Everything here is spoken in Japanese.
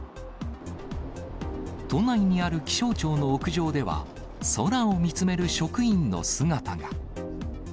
都内にある気象庁の屋上では、空を見つめる職員の姿が。